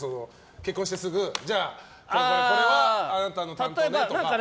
結婚してすぐじゃあ、これはあなたの担当とか。